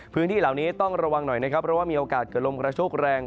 พื้นที่เหล่านี้ต้องระวังหน่อยนะครับเพราะว่ามีโอกาสเกิดลมกระโชคแรง